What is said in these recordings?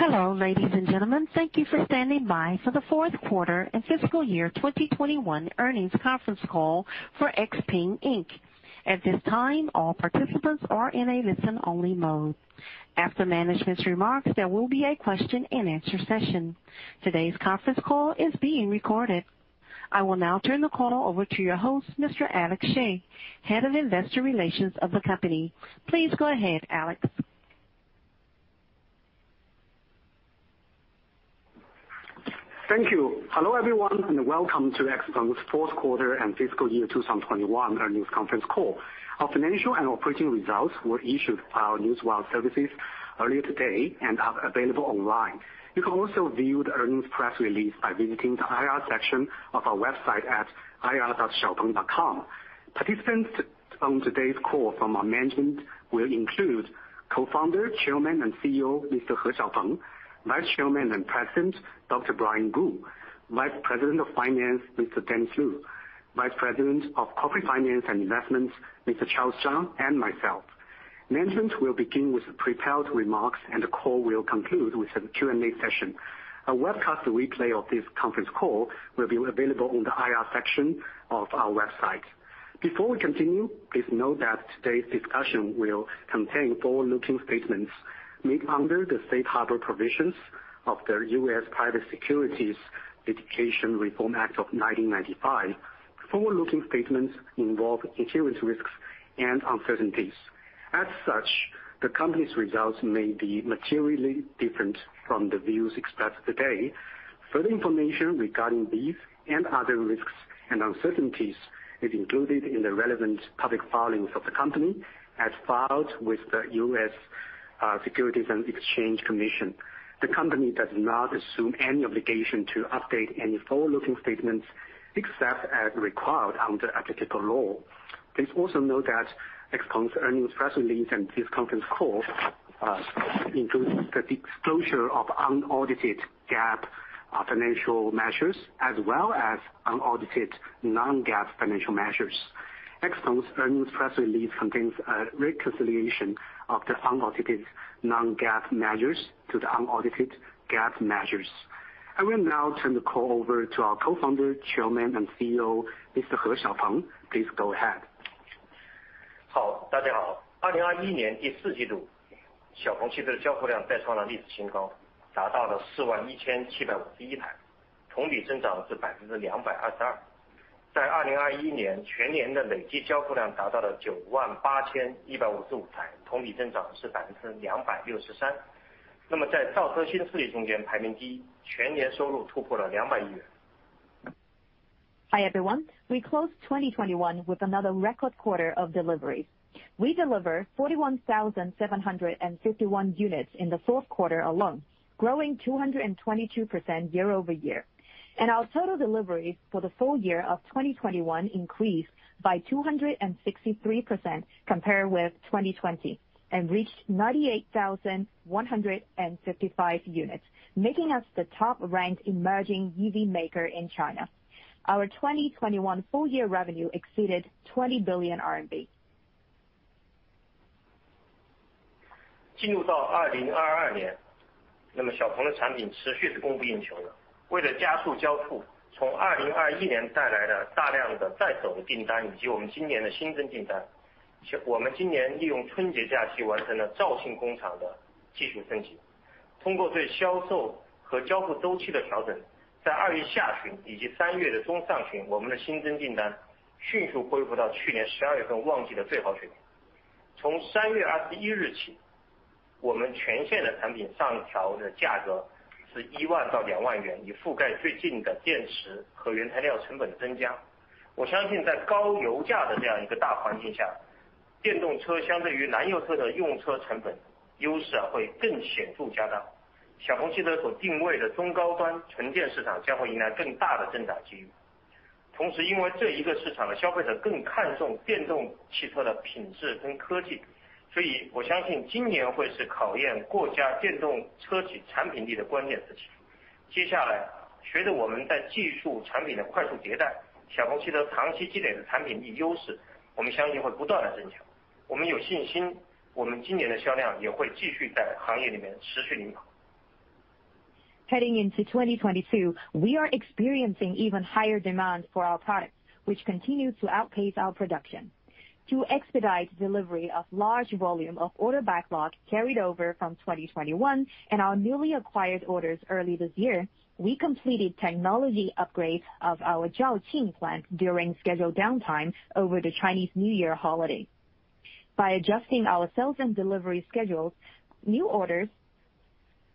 Hello, ladies and gentlemen. Thank you for standing by for the fourth quarter and fiscal year 2021 earnings conference call for XPeng Inc. At this time, all participants are in a listen-only mode. After management's remarks, there will be a question-and-answer session. Today's conference call is being recorded. I will now turn the call over to your host, Mr. Alex Xie, Head of Investor Relations of the company. Please go ahead, Alex. Thank you. Hello, everyone, and welcome to XPeng's fourth quarter and fiscal year 2021 earnings conference call. Our financial and operating results were issued via news wire services earlier today and are available online. You can also view the earnings press release by visiting the IR section of our website at ir.xiaopeng.com. Participants on today's call from our management will include Co-founder, Chairman, and CEO, Mr. He Xiaopeng; Vice Chairman and President, Dr. Brian Gu; Vice President of Finance, Mr. Dennis Lu; Vice President of Corporate Finance and Investments, Mr. Charles Zhang; and myself. Management will begin with prepared remarks, and the call will conclude with a Q&A session. A webcast replay of this conference call will be available on the IR section of our website. Before we continue, please note that today's discussion will contain forward-looking statements made under the Safe Harbor Provisions of the U.S. Private Securities Litigation Reform Act of 1995. Forward-looking statements involve inherent risks and uncertainties. As such, the company's results may be materially different from the views expressed today. Further information regarding these and other risks and uncertainties is included in the relevant public filings of the company as filed with the U.S. Securities and Exchange Commission. The company does not assume any obligation to update any forward-looking statements except as required under applicable law. Please also note that XPeng's earnings press release and this conference call includes the disclosure of unaudited GAAP financial measures as well as unaudited non-GAAP financial measures. XPeng's earnings press release contains a reconciliation of the unaudited non-GAAP measures to the unaudited GAAP measures. I will now turn the call over to our Co-Founder, Chairman, and CEO, Mr. He Xiaopeng. Please go ahead. Hi, everyone. We closed 2021 with another record quarter of deliveries. We delivered 41,751 units in the fourth quarter alone, growing 222% year-over-year. Our total deliveries for the full year of 2021 increased by 263% compared with 2020 and reached 98,155 units, making us the top-ranked emerging EV maker in China. Our 2021 full year revenue exceeded CNY 20 billion. Heading into 2022, we are experiencing even higher demand for our products, which continue to outpace our production. To expedite delivery of large volume of order backlog carried over from 2021 and our newly acquired orders early this year, we completed technology upgrades of our Zhaoqing plant during scheduled downtime over the Chinese New Year holiday. By adjusting our sales and delivery schedules, new orders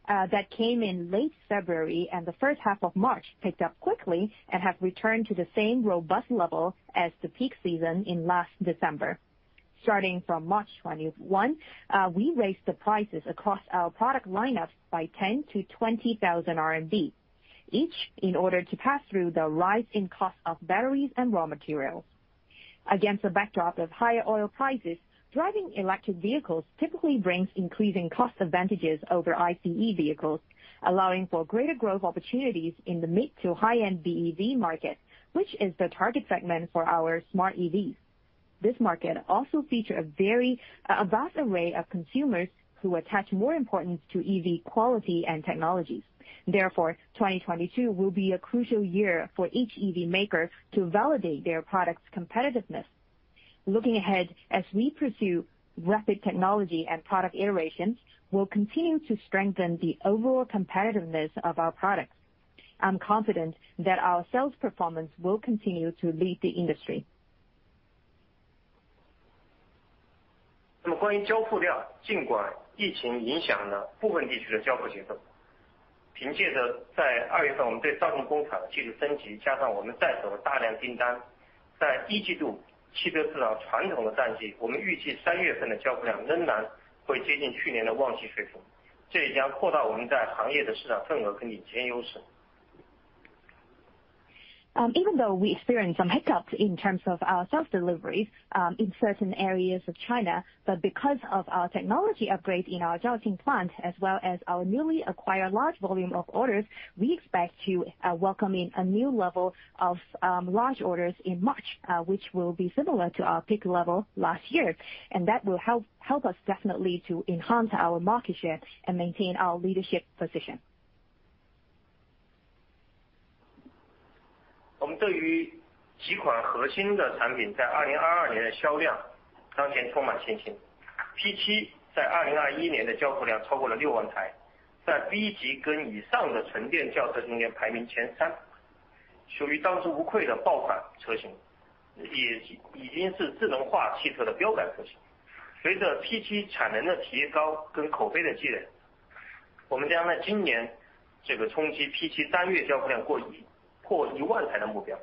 that came in late February and the first half of March picked up quickly and have returned to the same robust level as the peak season in last December. Starting from March 21, we raised the prices across our product lineups by 10,000-20,000 RMB each in order to pass through the rise in cost of batteries and raw materials. Against a backdrop of higher oil prices, driving electric vehicles typically brings increasing cost advantages over ICE vehicles, allowing for greater growth opportunities in the mid to high-end BEV market, which is the target segment for our smart EVs. This market also feature a vast array of consumers who attach more importance to EV quality and technologies. Therefore, 2022 will be a crucial year for each EV maker to validate their product's competitiveness. Looking ahead, as we pursue rapid technology and product iterations, we'll continue to strengthen the overall competitiveness of our products. I'm confident that our sales performance will continue to lead the industry. Even though we experienced some hiccups in terms of our sales deliveries in certain areas of China, but because of our technology upgrade in our Zhaoqing plant as well as our newly acquired large volume of orders, we expect to welcome in a new level of large orders in March, which will be similar to our peak level last year. That will help us definitely to enhance our market share and maintain our leadership position. Our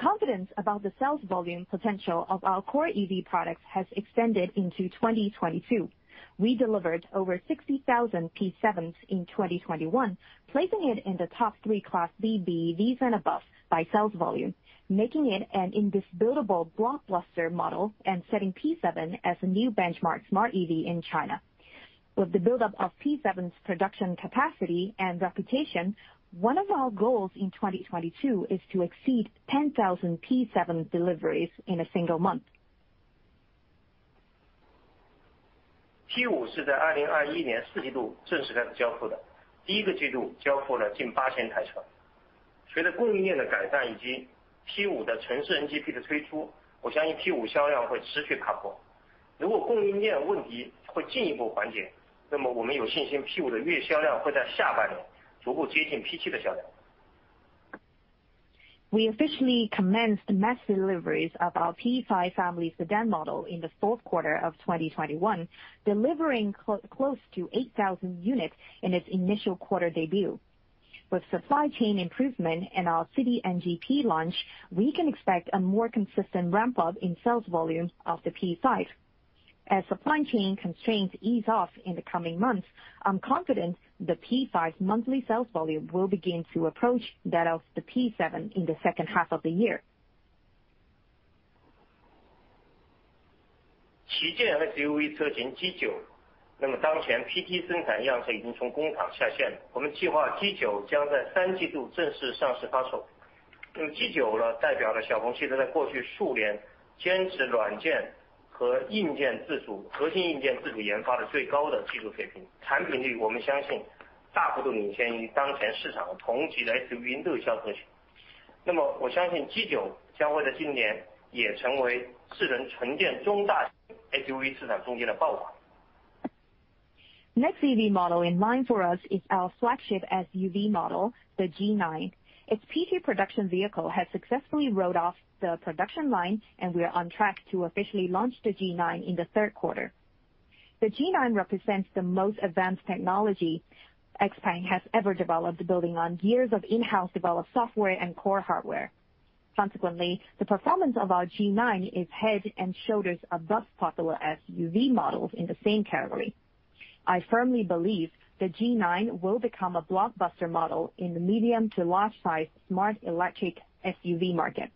confidence about the sales volume potential of our core EV products has extended into 2022. We delivered over 60,000 P7s in 2021, placing it in the top three class B BEVs and above by sales volume, making it an indisputable blockbuster model and setting P7 as a new benchmark smart EV in China. With the buildup of P7's production capacity and reputation, one of our goals in 2022 is to exceed 10,000 P7 deliveries in a single month. We officially commenced mass deliveries of our P5 family sedan model in the fourth quarter of 2021, delivering close to 8,000 units in its initial quarter debut. With supply chain improvement and our City NGP launch, we can expect a more consistent ramp up in sales volume of the P5. As supply chain constraints ease off in the coming months, I'm confident the P5's monthly sales volume will begin to approach that of the P7 in the second half of the year. Next EV model in line for us is our flagship SUV model, the G9. Its PT production vehicle has successfully rolled off the production line, and we are on track to officially launch the G9 in the third quarter. The G9 represents the most advanced technology XPeng has ever developed, building on years of in-house developed software and core hardware. Consequently, the performance of our G9 is head and shoulders above popular SUV models in the same category. I firmly believe the G9 will become a blockbuster model in the medium to large size smart electric SUV market.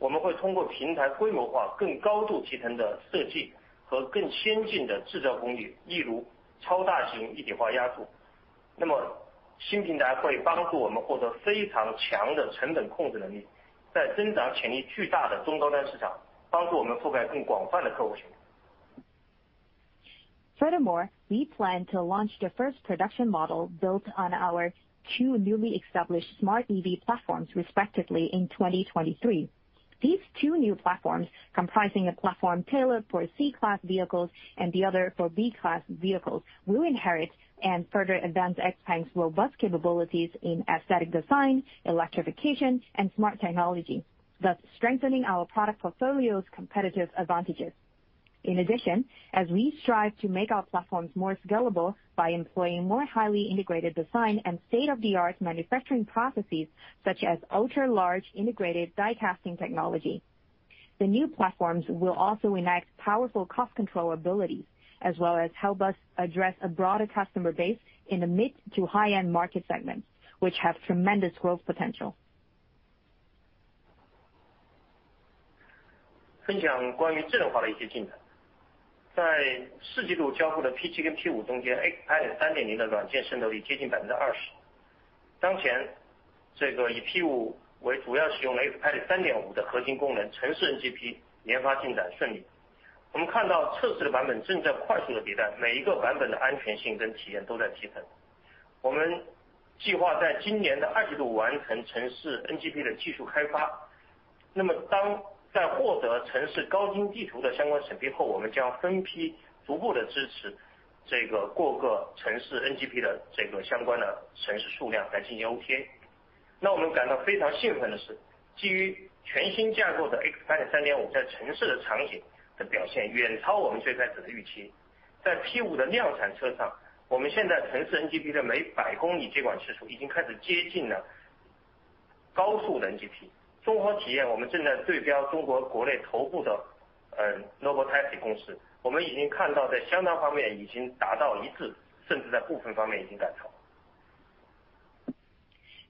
Furthermore, we plan to launch the first production model built on our two newly established smart EV platforms respectively in 2023. These two new platforms, comprising a platform tailored for C class vehicles and the other for B class vehicles, will inherit and further advance XPeng's robust capabilities in aesthetic design, electrification, and smart technology, thus strengthening our product portfolio's competitive advantages. In addition, as we strive to make our platforms more scalable by employing more highly integrated design and state-of-the-art manufacturing processes such as ultra-large integrated die casting technology, the new platforms will also enact powerful cost control abilities, as well as help us address a broader customer base in the mid to high-end market segments, which have tremendous growth potential.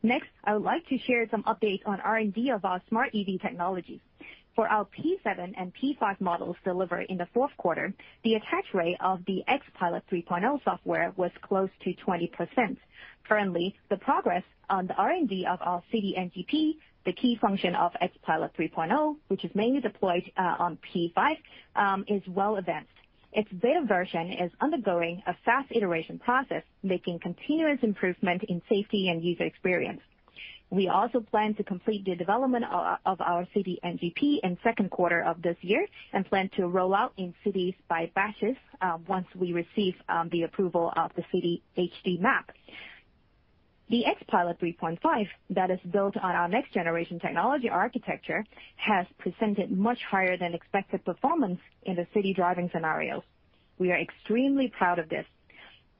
Next, I would like to share some updates on R&D of our smart EV technologies. For our P7 and P5 models delivered in the fourth quarter, the attach rate of the XPILOT 3.0 software was close to 20%. Currently, the progress on the R&D of our city NGP, the key function of XPILOT 3.0, which is mainly deployed on P5, is well advanced. Its beta version is undergoing a fast iteration process, making continuous improvement in safety and user experience. We also plan to complete the development of our city NGP in second quarter of this year and plan to roll out in cities by batches once we receive the approval of the city HD map. The XPILOT 3.5, that is built on our next generation technology architecture, has presented much higher than expected performance in the city driving scenarios. We are extremely proud of this.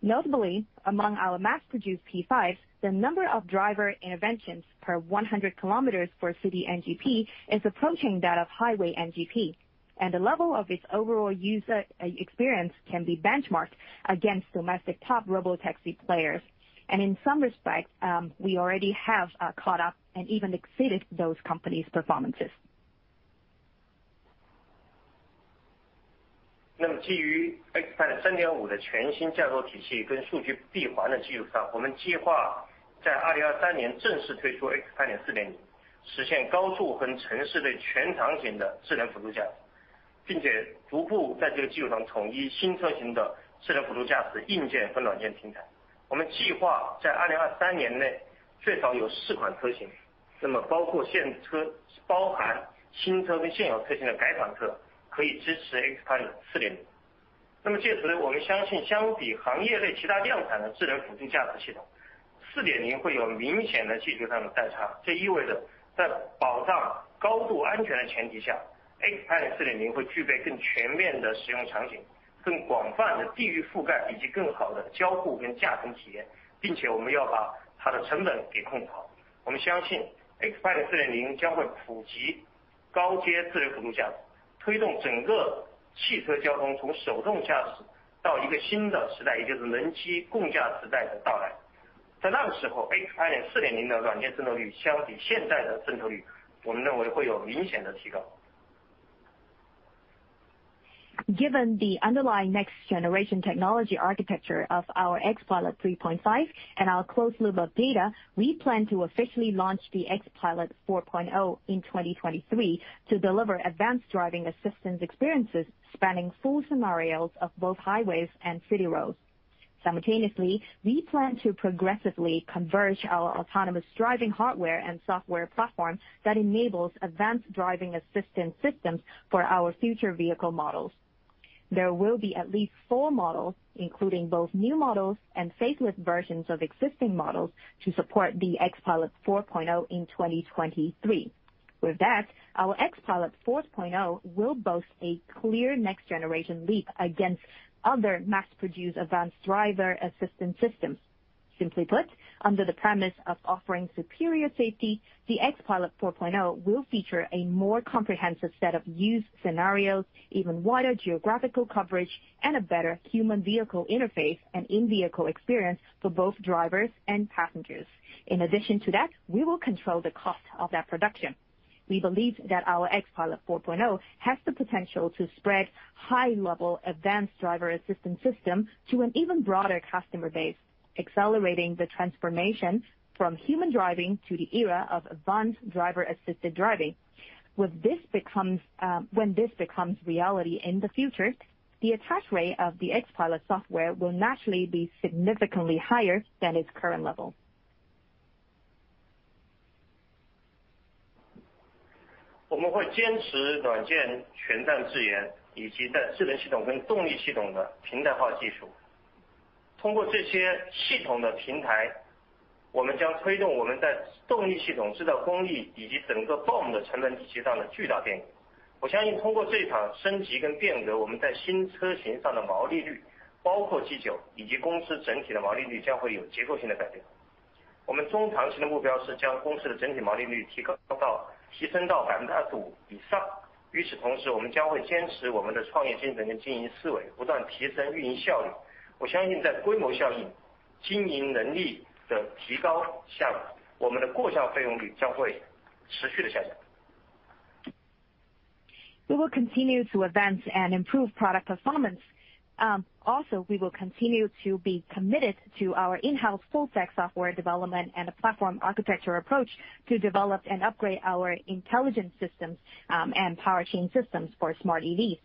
Notably, among our mass-produced P5s, the number of driver interventions per 100 km for City NGP is approaching that of Highway NGP. The level of its overall user experience can be benchmarked against domestic top robotaxi players. In some respects, we already have caught up and even exceeded those companies' performances. 那么基于XPILOT 3.5的全新架构体系跟数据闭环的基础上，我们计划在2023年正式推出XPILOT Given the underlying next generation technology architecture of our XPILOT 3.5 and our closed loop of data, we plan to officially launch the XPILOT 4.0 in 2023 to deliver advanced driving assistance experiences spanning full scenarios of both highways and city roads. Simultaneously, we plan to progressively converge our autonomous driving hardware and software platform that enables advanced driving assistance systems for our future vehicle models. There will be at least 4 models, including both new models and facelift versions of existing models, to support the XPILOT 4.0 in 2023. With that, our XPILOT 4.0 will boast a clear next generation leap against other mass-produced advanced driver assistance systems. Simply put, under the premise of offering superior safety, the XPILOT 4.0 will feature a more comprehensive set of use scenarios, even wider geographical coverage, and a better human vehicle interface and in-vehicle experience for both drivers and passengers. In addition to that, we will control the cost of that production. We believe that our XPILOT 4.0 has the potential to spread high-level advanced driver assistance system to an even broader customer base, accelerating the transformation from human driving to the era of advanced driver-assisted driving. When this becomes reality in the future, the attach rate of the XPILOT software will naturally be significantly higher than its current level. We will continue to advance and improve product performance. Also, we will continue to be committed to our in-house full stack software development and platform architecture approach to develop and upgrade our intelligent systems, and powertrain systems for smart EVs.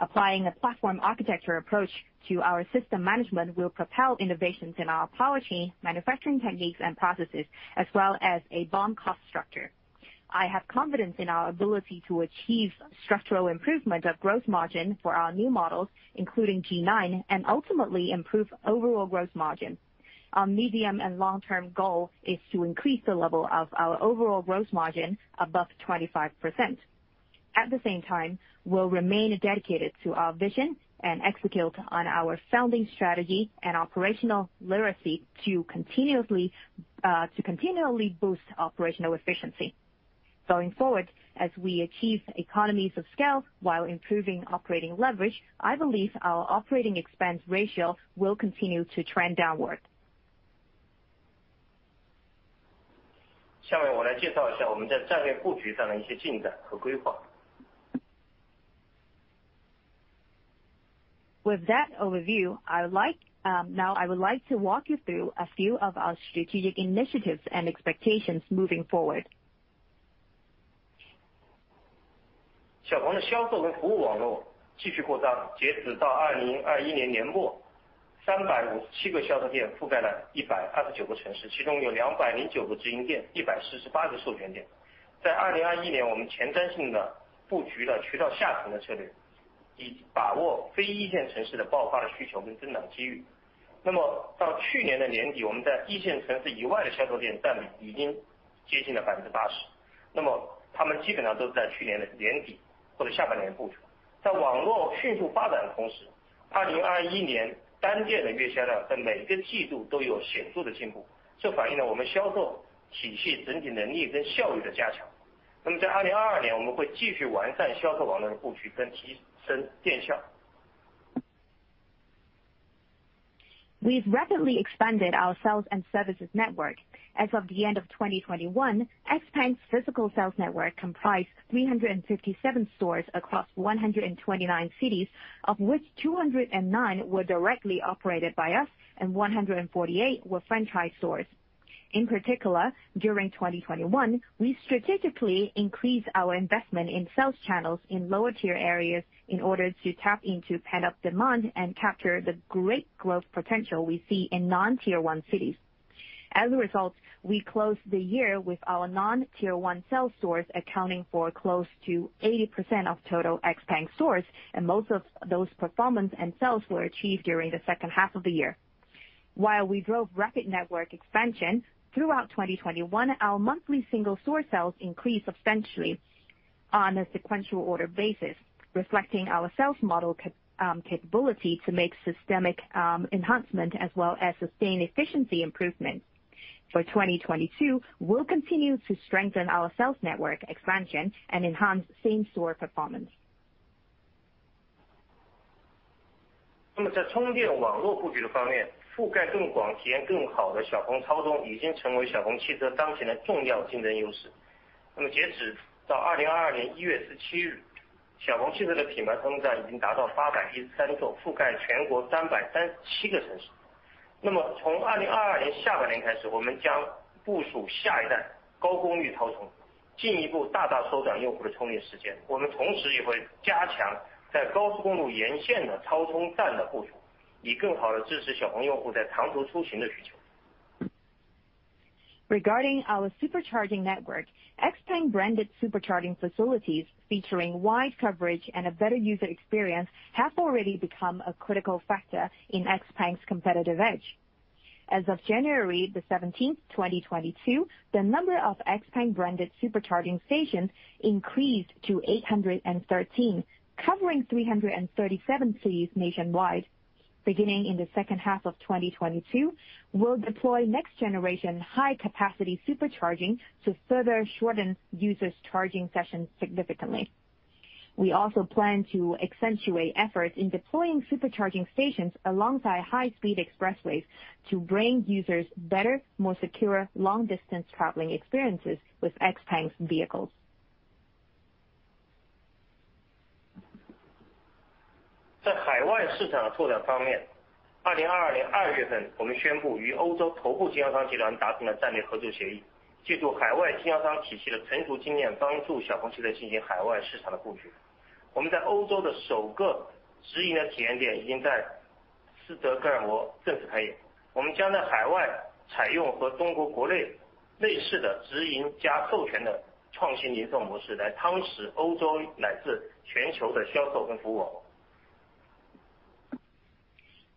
Applying a platform architecture approach to our system management will propel innovations in our powertrain manufacturing techniques and processes, as well as a BOM cost structure. I have confidence in our ability to achieve structural improvement of gross margin for our new models, including G9, and ultimately improve overall gross margin. Our medium and long term goal is to increase the level of our overall gross margin above 25%. At the same time, we'll remain dedicated to our vision and execute on our founding strategy and operational literacy to continually boost operational efficiency. Going forward, as we achieve economies of scale while improving operating leverage, I believe our operating expense ratio will continue to trend downward. 下面我来介绍一下我们在战略布局上的一些进展和规划。With that overview, I would like to walk you through a few of our strategic initiatives and expectations moving forward. We've rapidly expanded our sales and services network. As of the end of 2021, XPeng's physical sales network comprised 357 stores across 129 cities, of which 209 were directly operated by us and 148 were franchise stores. In particular, during 2021, we strategically increased our investment in sales channels in lower tier areas in order to tap into pent-up demand and capture the great growth potential we see in non-Tier one cities. As a result, we closed the year with our non-Tier one sales stores accounting for close to 80% of total XPeng stores, and most of those performance and sales were achieved during the second half of the year. While we drove rapid network expansion throughout 2021, our monthly single store sales increased substantially on a sequential order basis, reflecting our sales model capability to make systemic enhancement as well as sustain efficiency improvement. For 2022, we'll continue to strengthen our sales network expansion and enhance same store performance. Regarding our supercharging network, XPeng branded supercharging facilities featuring wide coverage and a better user experience have already become a critical factor in XPeng's competitive edge. As of January 17, 2022, the number of XPeng branded supercharging stations increased to 813, covering 337 cities nationwide. Beginning in the second half of 2022, we'll deploy next generation high capacity supercharging to further shorten users charging sessions significantly. We also plan to accentuate efforts in deploying supercharging stations alongside high speed expressways to bring users better, more secure long distance traveling experiences with XPeng's vehicles.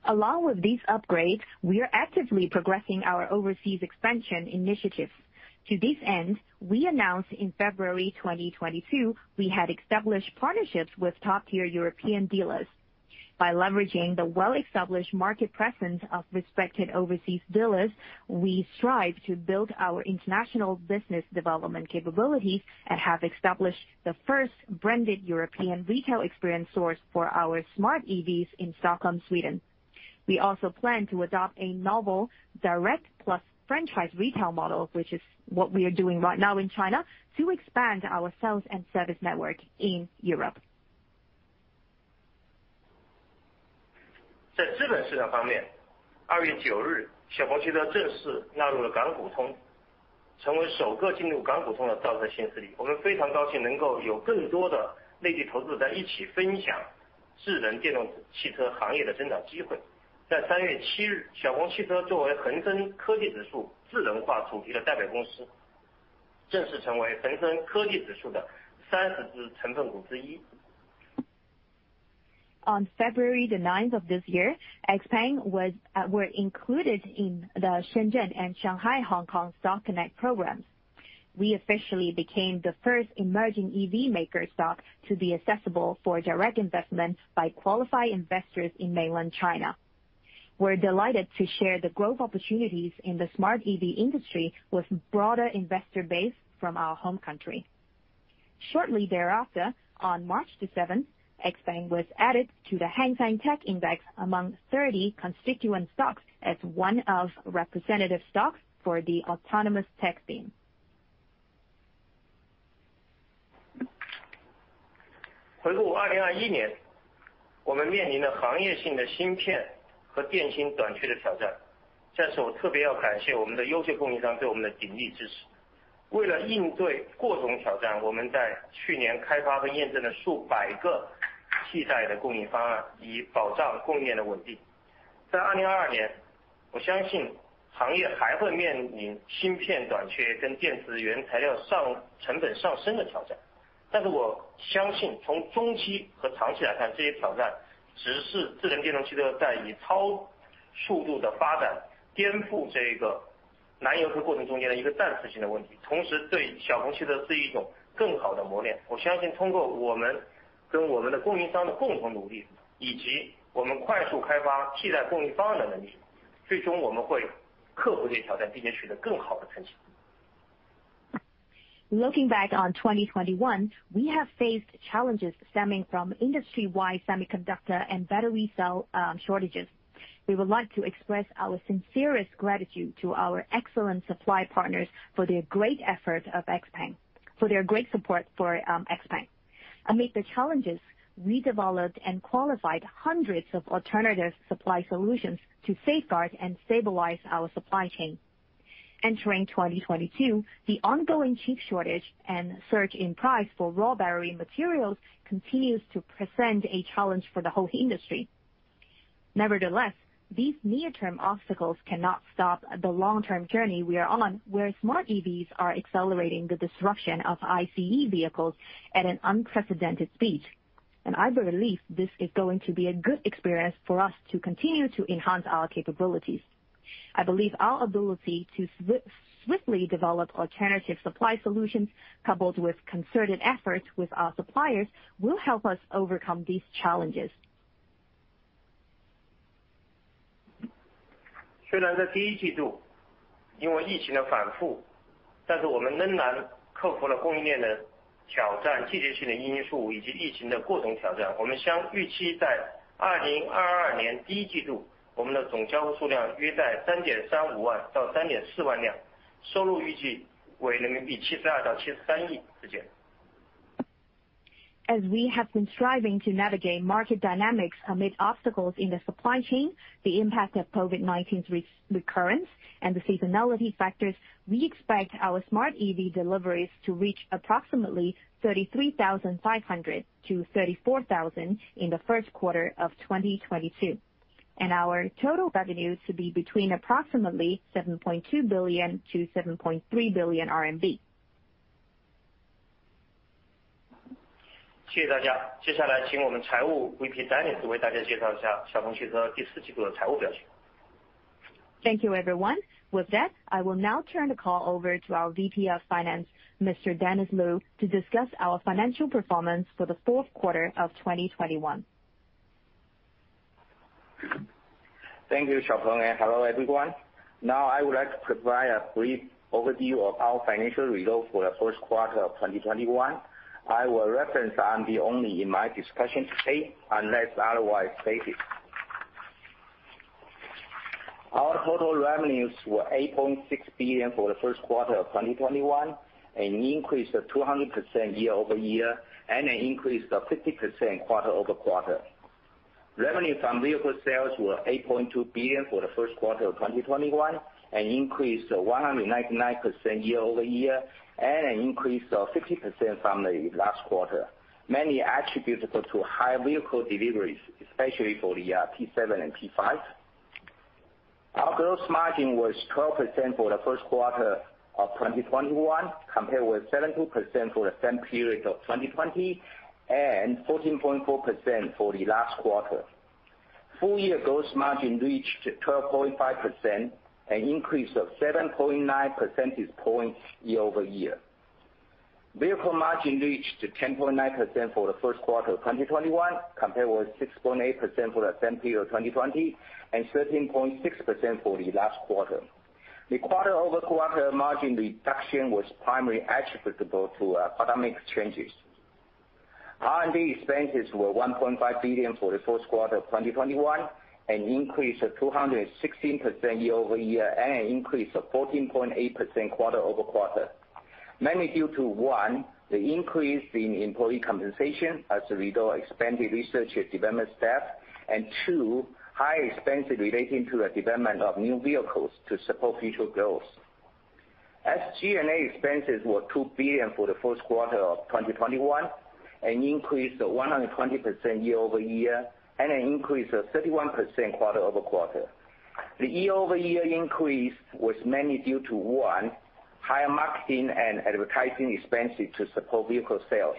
Along with these upgrades, we are actively progressing our overseas expansion initiatives. To this end, we announced in February 2022 that we had established partnerships with top-tier European dealers. By leveraging the well-established market presence of respected overseas dealers, we strive to build our international business development capabilities and have established the first branded European retail experience store for our smart EVs in Stockholm, Sweden. We also plan to adopt a novel direct-plus franchise retail model, which is what we are doing right now in China to expand our sales and service network in Europe. 在资本市场方面，二月九日，小鹏汽车正式纳入了港股通，成为首个进入港股通的造车新势力。我们非常高兴能够有更多的内地投资者一起分享智能电动汽车行业的增长机会。在三月七日，小鹏汽车作为恒生科技指数智能化主题的代表公司，正式成为恒生科技指数的三十只成分股之一。On February 9 of this year, XPeng were included in the Shenzhen and Shanghai-Hong Kong Stock Connect programs. We officially became the first emerging EV maker stock to be accessible for direct investment by qualified investors in mainland China. We're delighted to share the growth opportunities in the smart EV industry with broader investor base from our home country. Shortly thereafter, on March 7, XPeng was added to the Hang Seng TECH Index among 30 constituent stocks as one of representative stocks for the autonomous tech theme. Looking back on 2021, we have faced challenges stemming from industry-wide semiconductor and battery cell shortages. We would like to express our sincerest gratitude to our excellent supply partners for their great support for XPeng. Amid the challenges, we developed and qualified hundreds of alternative supply solutions to safeguard and stabilize our supply chain. Entering 2022, the ongoing chip shortage and surge in price for raw battery materials continues to present a challenge for the whole industry. Nevertheless, these near-term obstacles cannot stop the long-term journey we are on, where smart EVs are accelerating the disruption of ICE vehicles at an unprecedented speed. I believe this is going to be a good experience for us to continue to enhance our capabilities. I believe our ability to swiftly develop alternative supply solutions, coupled with concerted efforts with our suppliers, will help us overcome these challenges. 虽然在第一季度因为疫情的反复，但是我们仍然克服了供应链的挑战、季节性的因素，以及疫情的各种挑战。我们相预期，在2022年第一季度，我们的总交付数量约在3.35万到3.4万辆，收入预计为人民币72到73亿之间。As we have been striving to navigate market dynamics amid obstacles in the supply chain, the impact of COVID-19's re-recurrence, and the seasonality factors, we expect our smart EV deliveries to reach approximately 33,500-34,000 in the first quarter of 2022, and our total revenue to be between approximately 7.2 billion-7.3 billion RMB. 谢谢大家。接下来请我们财务VP Dennis为大家介绍一下小鹏汽车第四季度的财务表现。Thank you, everyone. With that, I will now turn the call over to our VP of Finance, Mr. Dennis Lu, to discuss our financial performance for the fourth quarter of 2021. Thank you, Xiaopeng, and hello, everyone. Now, I would like to provide a brief overview of our financial results for the first quarter of 2021. I will reference RMB only in my discussion today unless otherwise stated. Our total revenues were 8.6 billion for the first quarter of 2021, an increase of 200% year-over-year, and an increase of 50% quarter-over-quarter. Revenue from vehicle sales was 8.2 billion for the first quarter of 2021, an increase of 199% year-over-year, and an increase of 50% from the last quarter, mainly attributable to high vehicle deliveries, especially for the P7 and P5. Our gross margin was 12% for the first quarter of 2021, compared with 7.2% for the same period of 2020, and 14.4% for the last quarter. Full year gross margin reached 12.5%, an increase of 7.9 percentage points year-over-year. Vehicle margin reached 10.9% for the first quarter of 2021, compared with 6.8% for the same period 2020, and 13.6% for the last quarter. The quarter-over-quarter margin reduction was primarily attributable to product mix changes. R&D expenses were 1.5 billion for the first quarter of 2021, an increase of 216% year-over-year, and an increase of 14.8% quarter-over-quarter. Mainly due to one, the increase in employee compensation as we grew and expanded research and development staff. Two, high expenses relating to the development of new vehicles to support future growth. SG&A expenses were 2 billion for the first quarter of 2021, an increase of 120% year-over-year, and an increase of 31% quarter-over-quarter. The year-over-year increase was mainly due to one, higher marketing and advertising expenses to support vehicle sales.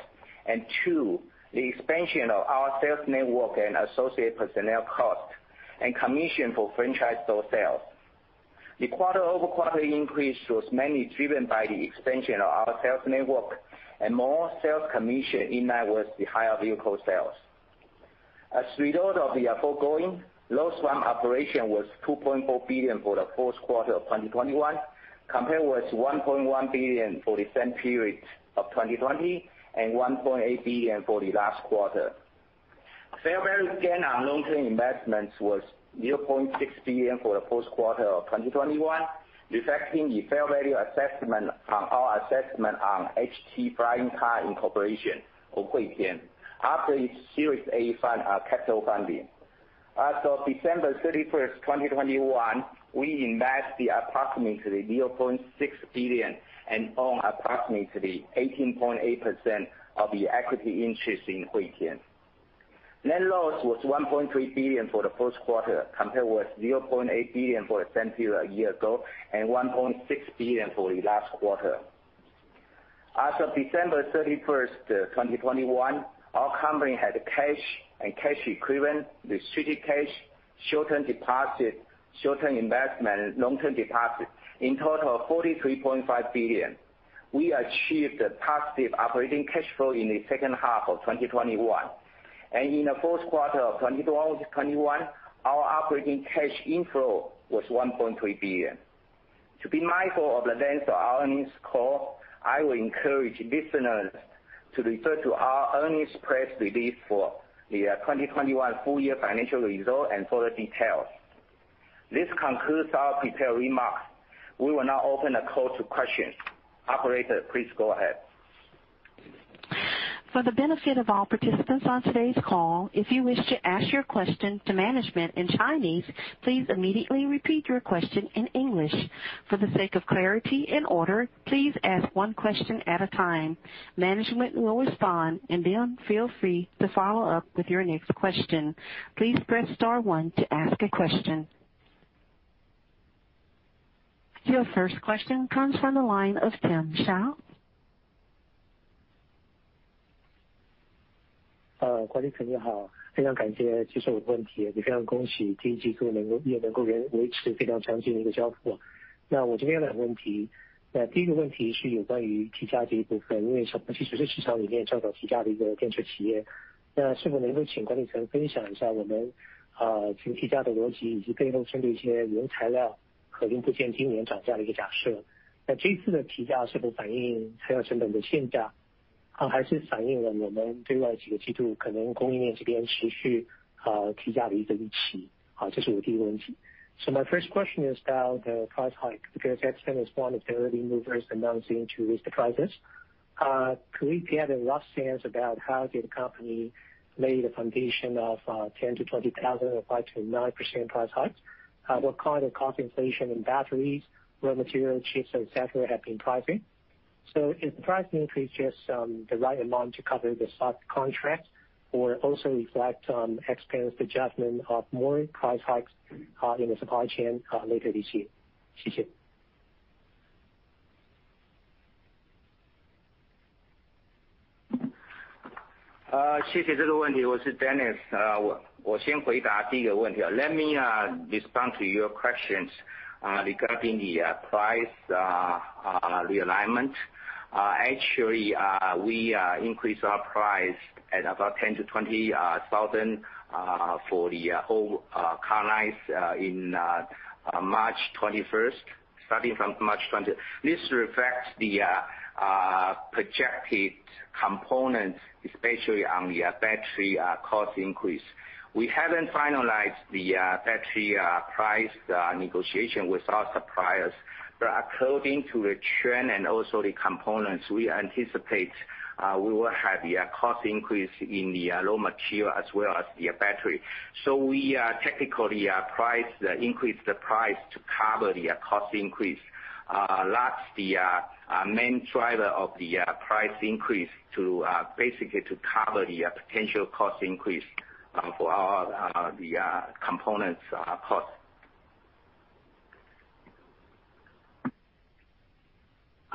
Two, the expansion of our sales network and associated personnel costs and commissions for franchise store sales. The quarter-over-quarter increase was mainly driven by the expansion of our sales network and more sales commission in line with the higher vehicle sales. As a result of the foregoing, loss from operations was 2.4 billion for the first quarter of 2021, compared with 1.1 billion for the same period of 2020, and 1.8 billion for the last quarter. Fair value gain on long-term investments was 0.6 billion for the first quarter of 2021, reflecting the fair value assessment on our assessment on HT Aero or Huitian after its Series A funding. As of December 31, 2021, we invested approximately 0.6 billion and own approximately 18.8% of the equity interest in Huitian. Net loss was 1.3 billion for the first quarter, compared with 0.8 billion for the same period a year ago, and 1.6 billion for the last quarter. As of December 31, 2021, our company had cash and cash equivalents, restricted cash, short-term deposits, short-term investment, long-term deposits, in total of 43.5 billion. We achieved a positive operating cash flow in the second half of 2021. In the first quarter of 2021, our operating cash inflow was 1.3 billion. To be mindful of the length of our earnings call, I will encourage listeners to refer to our earnings press release for the 2021 full year financial results and further details. This concludes our prepared remarks. We will now open the call to questions. Operator, please go ahead. For the benefit of all participants on today's call, if you wish to ask your question to management in Chinese, please immediately repeat your question in English. For the sake of clarity and order, please ask one question at a time. Management will respond and then feel free to follow up with your next question. Please press star one to ask a question. Your first question comes from the line of Tim Hsiao. Guanzhong，你好。非常感谢接受我的问题。也非常恭喜第一季度能够维持非常强劲的一个交付。那我这边两个问题。第一个问题是有关于提价的一部分，因为小鹏汽车其实是市场里面较早提价的一个电动车企业。那是否能够请管理层分享一下我们提价的逻辑，以及对应一些原材料和零部件今年涨价的一个假设。那这一次的提价是否反映材料成本的定价，还是反映了我们对未来几个季度可能供应链这边持续提价的一个预期？好，这是我第一个问题。So my first question is about the price hike, because XPeng is one of the early movers announcing to raise the prices. Could we get a rough sense about how the company laid a foundation of 10,000-20,000, or 5%-9% price hikes? What kind of cost inflation in batteries, raw material chips, et cetera, has been driving pricing? Is the price increase just the right amount to cover the stock contract or also reflect expense adjustment of more price hikes in the supply chain later this year? Xie xie. 谢谢这个问题，我是Dennis Lu。我先回答第一个问题。Let me respond to your questions regarding the price realignment. Actually, we increase our price at about 10,000-20,000 for the whole car lines in March 21st. This reflects the projected components, especially on the battery cost increase. We haven't finalized the battery price negotiation with our suppliers. According to the trend and also the components, we anticipate we will have the cost increase in the raw material as well as the battery. We technically increase the price cover the cost increase. Lastly, the main driver of the price increase to basically cover the potential cost increase for our component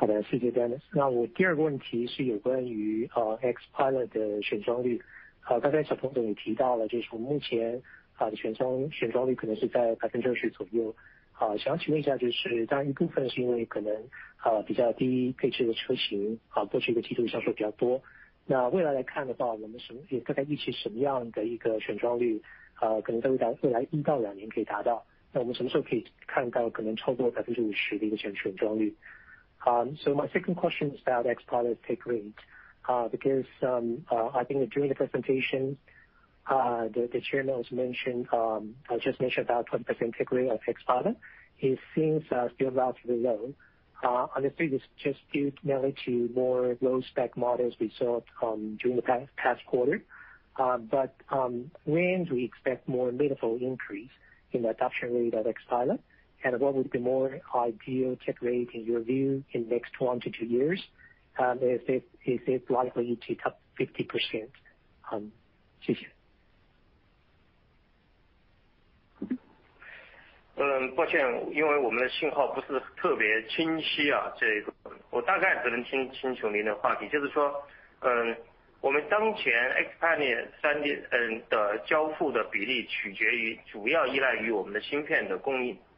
costs. 好的，谢谢Dennis。那我第二个问题是有关于XPILOT的选装率，刚才小鹏总你提到了，就是目前选装率可能是在10%左右。好，想要请问一下，就是当然一部分是因为可能比较低配置的车型，好，过去一个季度销售比较多，那未来来看的话，我们大概预期什么样的一个选装率，可能在未来一到两年可以达到，那我们什么时候可以看到可能超过50%的一个选装率。My second question is about XPILOT take rate. Because I think during the presentation, the chairman has mentioned about take rate of XPILOT, it seems still relatively low. I just think it's just due mainly to more low spec models we saw during the past quarter. When do we expect more meaningful increase in adoption rate of XPILOT? And what would be more ideal take rate in your view in next one to two years? Is it likely to top 50%? 抱歉，因为我们的信号不是特别清晰。我大概只能听清楚您的话题，就是说，我们当前XPILOT三点的交付的比例取决于，主要依赖于我们的芯片的供应。所以当我们芯片供应量更充分的时候，实际上我们XPILOT渗透率会更高。我实际上更相信XPILOT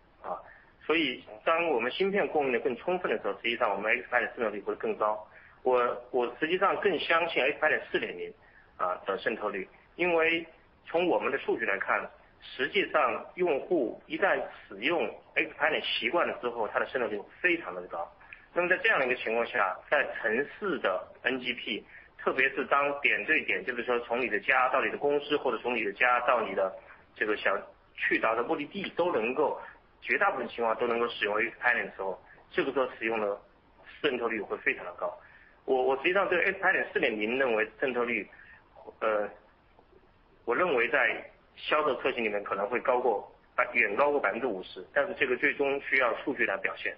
4.0认为渗透率，我认为在销售车型里面可能会高过，远高过50%，但是这个最终需要数据来表现。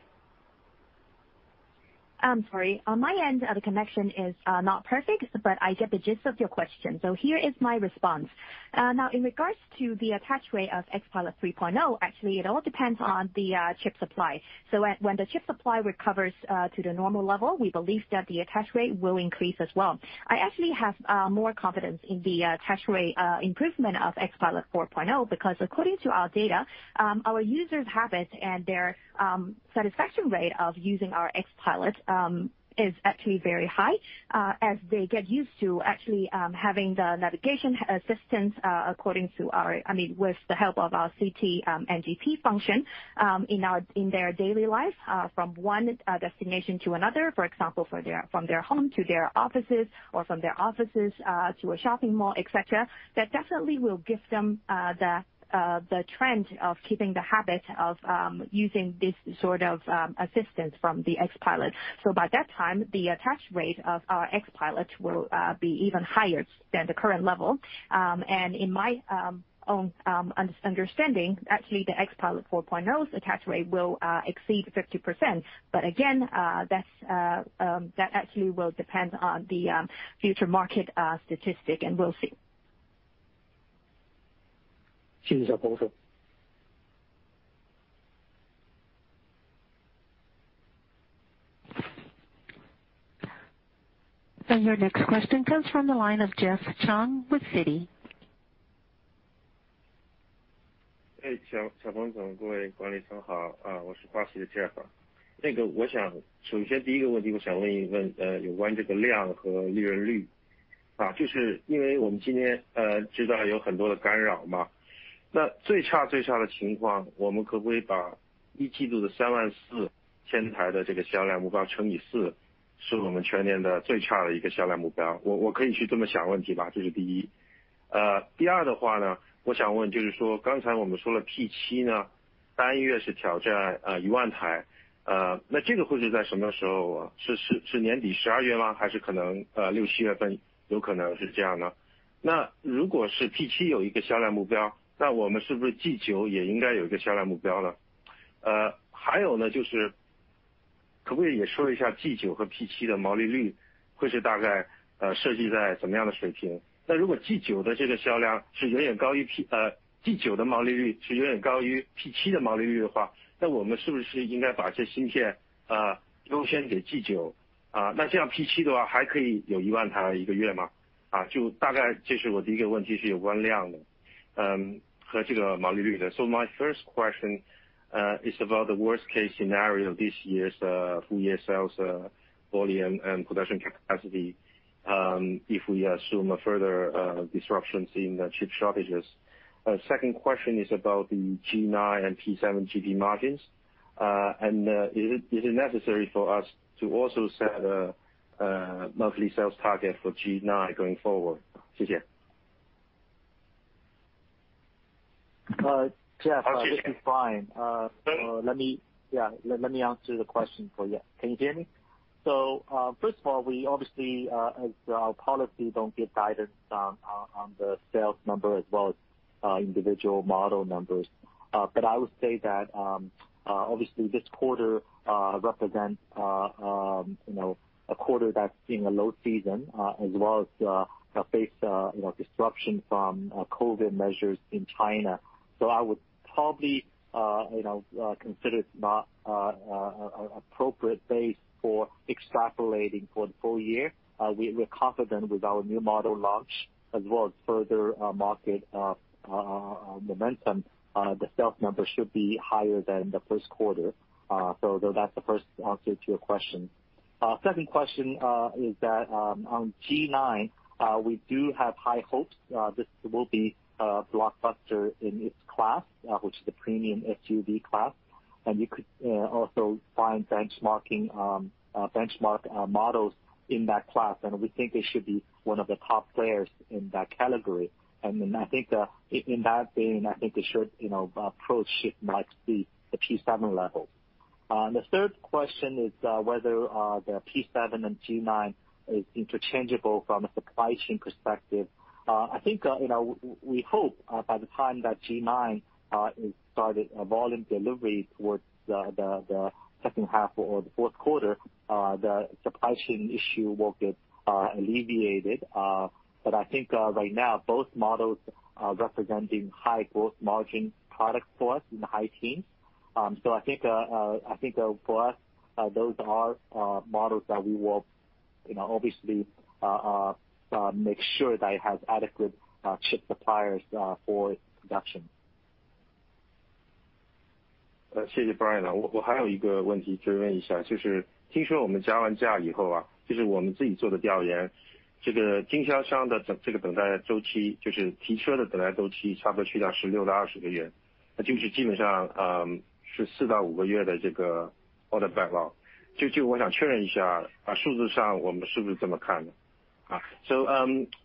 I'm sorry. On my end, the connection is not perfect, but I get the gist of your question. Here is my response. Now, in regards to the attach rate of XPILOT 3.0, actually it all depends on the chip supply. When the chip supply recovers to the normal level, we believe that the attach rate will increase as well. I actually have more confidence in the attach rate improvement of XPILOT 4.0, because according to our data, our users habits and their satisfaction rate of using our XPILOT is actually very high, as they get used to actually having the navigation assistance, I mean with the help of our City NGP function in their daily life, from one destination to another, for example, from their home to their offices, or from their offices to a shopping mall, etcetera, that definitely will give them the trend of keeping the habit of using this sort of assistance from the XPILOT. By that time, the attach rate of our XPILOT will be even higher than the current level. In my own understanding, actually the XPILOT 4.0's attach rate will exceed 50%. Again, that actually will depend on the future market statistic, and we'll see. 谢谢小鹏总。Your next question comes from the line of Jeff Chung with Citi. My first question is about the worst case scenario this year's full year sales volume and production capacity, if we assume a further disruptions in chip shortages. Second question is about the G9 and P7 gross margins. Is it necessary for us to also set a monthly sales target for G9 going forward? 谢谢。Jeff, this is Brian. Let me answer the question for you. Can you hear me? First of all, we obviously, as our policy don't give guidance on the sales number as well as individual model numbers. I would say that obviously this quarter represents you know a quarter that's in a low season as well as has faced you know disruption from COVID measures in China. I would probably you know consider it not appropriate base for extrapolating for the full year. We're confident with our new model launch as well as further market momentum, the sales numbers should be higher than the first quarter. That's the first answer to your question. Second question is that on G9 we do have high hopes this will be a blockbuster in its class which is the premium SUV class. You could also find benchmark models in that class. We think they should be one of the top players in that category. I think in that vein I think they should you know approach should like be the P7 level. The third question is whether the P7 and G9 is interchangeable from a supply chain perspective. I think you know we hope by the time that G9 is started a volume delivery towards the second half or the fourth quarter the supply chain issue will get alleviated. I think right now, both models are representing high gross margin products for us in the high teens%. I think for us, those are models that we will, you know, obviously make sure that it has adequate chip suppliers for production.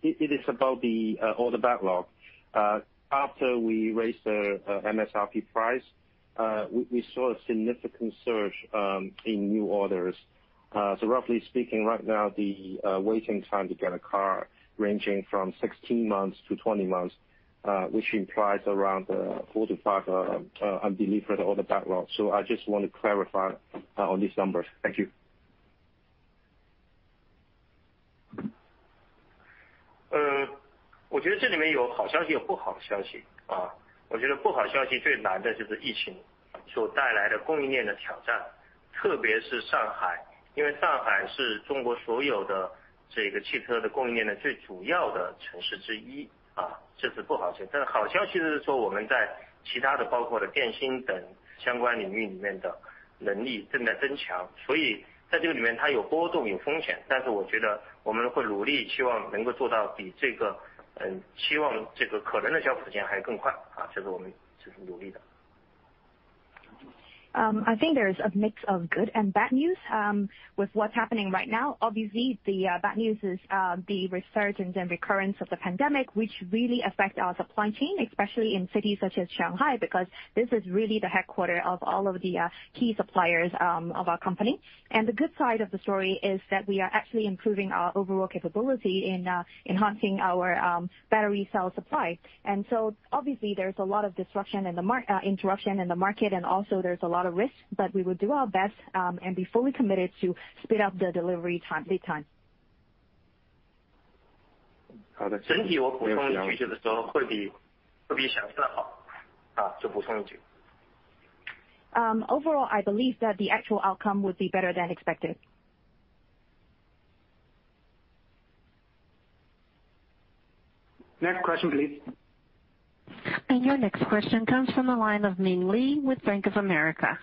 It is about the order backlog. After we raised the MSRP price, we saw a significant surge in new orders. Roughly speaking, right now, the waiting time to get a car ranging from 16-20 months, which implies around 4-5 undelivered order backlog. I just want to clarify on these numbers. Thank you. I think there is a mix of good and bad news with what's happening right now. Obviously, the bad news is the resurgence and recurrence of the pandemic, which really affect our supply chain, especially in cities such as Shanghai, because this is really the headquarters of all of the key suppliers of our company. The good side of the story is that we are actually improving our overall capability in enhancing our battery cell supply. Obviously there's a lot of interruption in the market and also there's a lot of risk. We will do our best and be fully committed to speed up the delivery time-lead time. Overall, I believe that the actual outcome would be better than expected. Next question, please. Your next question comes from the line of Ming Lee with Bank of America.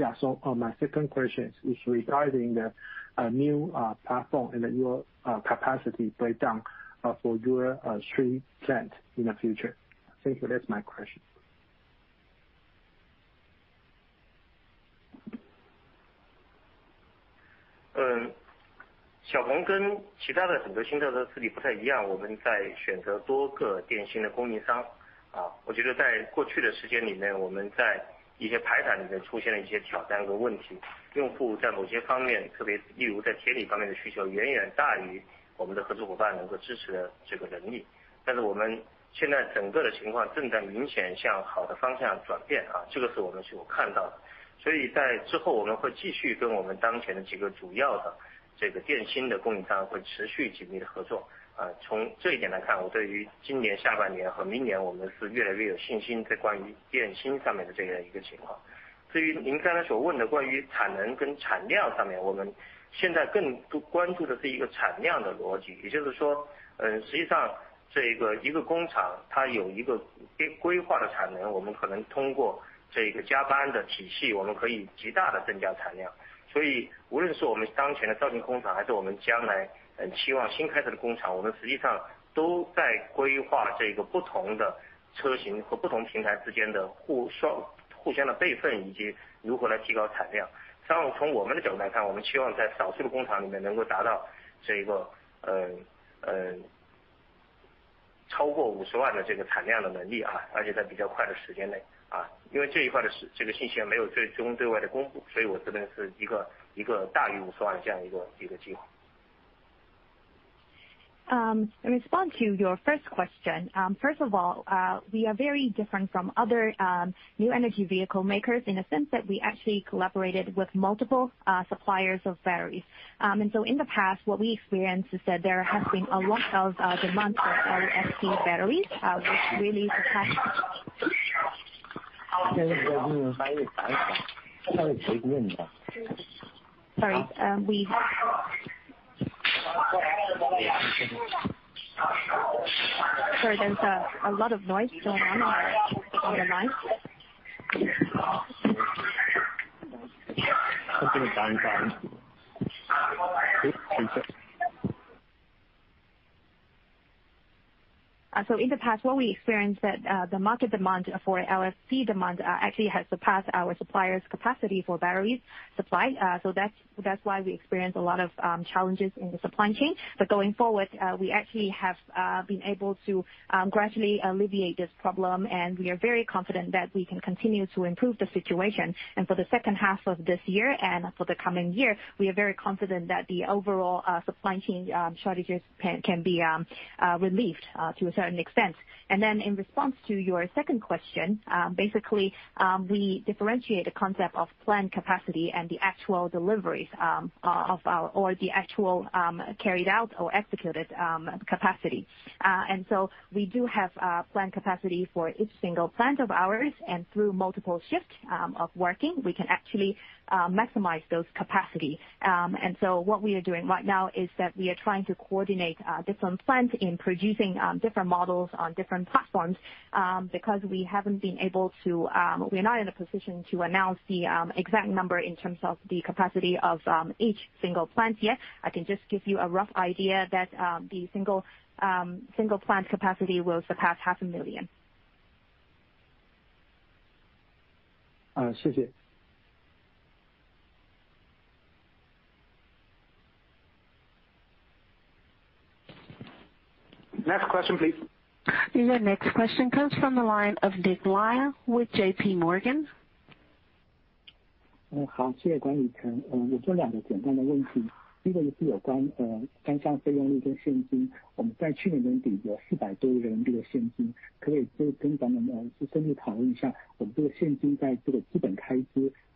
My second question is regarding the new platform and your capacity breakdown for your third plant in the future. Thank you. That's my question. In response to your first question. First of all, we are very different from other new energy vehicle makers in the sense that we actually collaborated with multiple suppliers of batteries. In the past, what we experienced is that there has been a lot of demand for LFP batteries, and the market demand for LFP actually has surpassed our suppliers' capacity for battery supply. So that's why we experienced a lot of challenges in the supply chain. Going forward, we actually have been able to gradually alleviate this problem, and we are very confident that we can continue to improve the situation. For the second half of this year and for the coming year, we are very confident that the overall supply chain shortages can be relieved to a certain extent. Then in response to your second question, basically, we differentiate the concept of planned capacity and the actual deliveries, or the actual carried out or executed capacity. We do have planned capacity for each single plant of ours. Through multiple shifts of working, we can actually maximize those capacity. What we are doing right now is that we are trying to coordinate different plants in producing different models on different platforms because we haven't been able to. We're not in a position to announce the exact number in terms of the capacity of each single plant yet. I can just give you a rough idea that the single plant capacity will surpass 500,000. Next question, please. Your next question comes from the line of Nick Lai with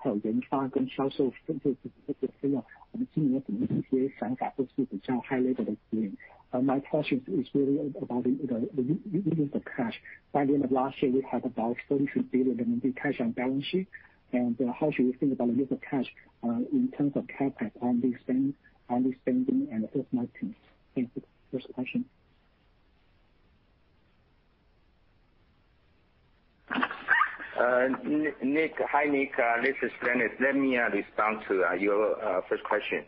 JPMorgan. Hi, Nick. This is Dennis. Let me respond to your first question.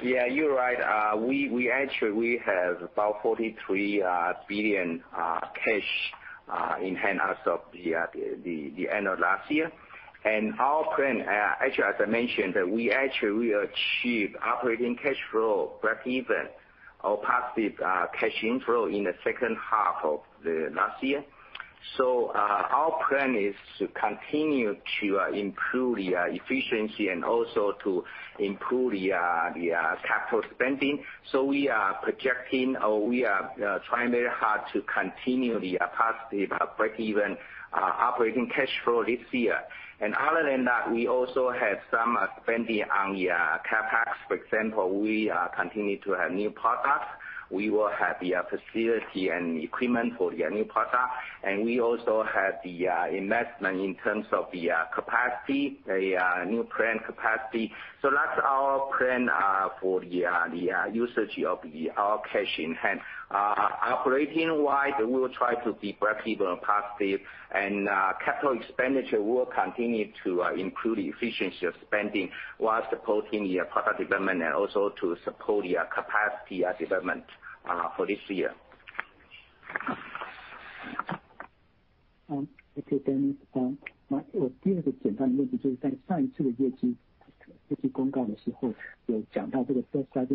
Yeah, you're right. We actually have about 43 billion cash in hand as of the end of last year. Our plan actually, as I mentioned, we actually achieved operating cash flow breakeven or positive cash inflow in the second half of the last year. Our plan is to continue to improve the efficiency and also to improve the capital spending. We are projecting or we are trying very hard to continue the positive breakeven operating cash flow this year. Other than that, we also have some spending on the CapEx. For example, we are continuing to have new products. We will have the facility and equipment for the new product, and we also have the investment in terms of the capacity, the new plant capacity. That's our plan for the usage of our cash in hand. Operationally, we will try to be break-even positive and CapEx will continue to improve the efficiency of spending while supporting the product development and also to support the capacity expansion for this year. OK，我第二个简单的问题就是在上一次的业绩公告的时候有讲到这个self-driving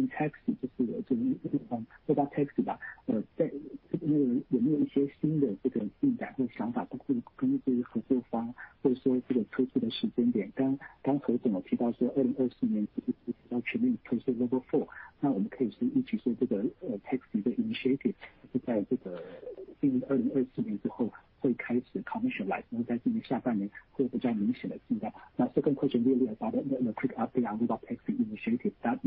taxi，就是有这种，说到taxi吧，在这个有没有一些新的这个进展或想法，包括跟这些合作方，或者说这个推出的时间点，刚刚何总有提到说2024年是不是要全面推出Level 4，那我们可以一起说这个taxi的initiative是在这个今年2024年之后会开始commercialize，那么在今年下半年会有比较明显的进展。That second question really about the quick update on robotaxi initiative that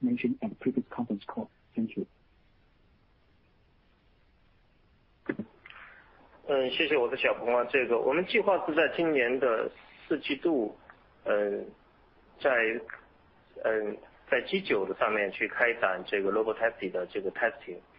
mentioned at previous conference call. Thank you. 我是小鹏，这个我们计划是在今年的四季度，在G9的上面去开展这个robotaxi的这个testing。我们并没有之前对外说在2024年会有一个Level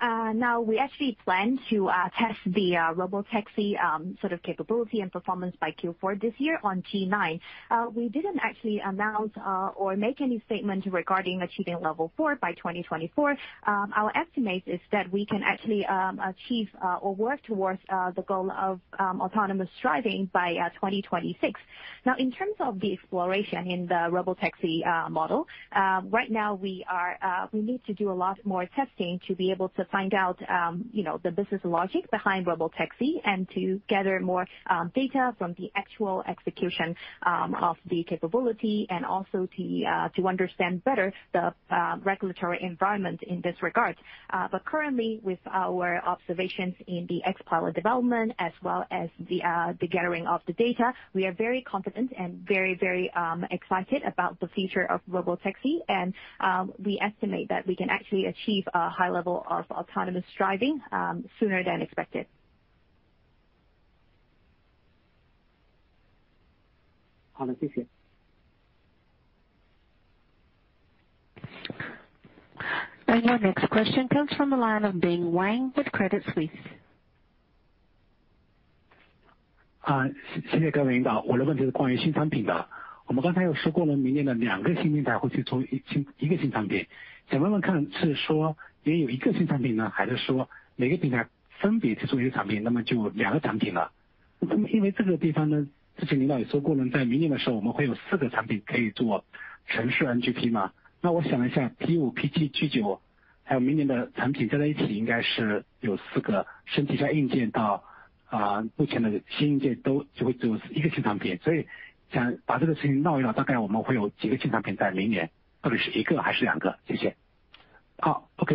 Now we actually plan to test the robotaxi sort of capability and performance by Q4 this year on G9. We didn't actually announce or make any statement regarding achieving Level 4 by 2024. Our estimate is that we can actually achieve or work towards the goal of autonomous driving by 2026. Now in terms of the exploration in the robotaxi model, right now we need to do a lot more testing to be able to find out you know the business logic behind robotaxi and to gather more data from the actual execution of the capability and also to understand better the regulatory environment in this regard. Currently with our observations in the XPILOT development as well as the gathering of the data, we are very confident and very excited about the future of robotaxi, and we estimate that we can actually achieve a high level of autonomous driving sooner than expected. 好，谢谢。Your next question comes from the line of Bin Wang with Credit Suisse.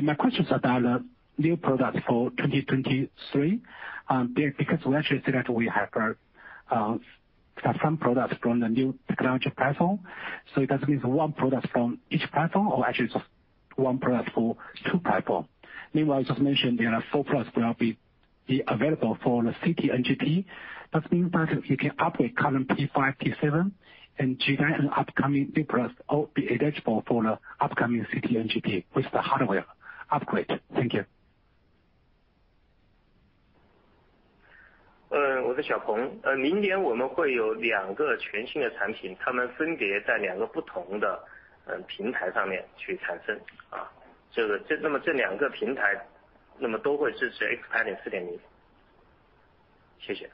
My question is about the new product for 2023. Because we actually said that we have some products from the new technology platform, so does it mean one product from each platform, or actually just one product for two platforms? Meanwhile, you just mentioned there are four products will be available for the City NGP. Does it mean that you can upgrade current P5, P7 and G9 and upcoming new product will be eligible for the upcoming City NGP with the hardware upgrade? Thank you. 我是小鹏。明年我们会有两个全新的产品，它们分别在两个不同的平台上面去产生，这两个平台都会支持XPILOT 4.0。谢谢。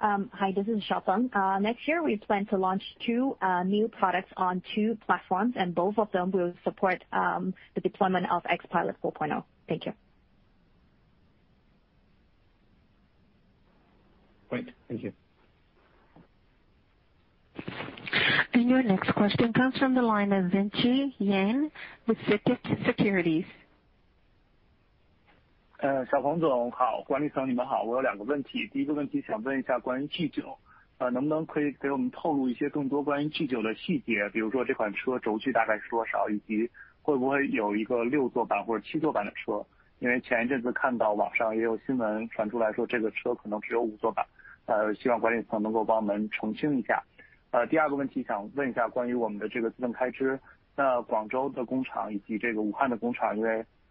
Hi, this is Xiaopeng. Next year we plan to launch two new products on two platforms and both of them will support the deployment of XPILOT 4.0. Thank you. Great, thank you. Your next question comes from the line of Jing Chang with CICC.